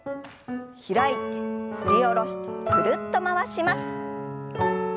開いて振り下ろしてぐるっと回します。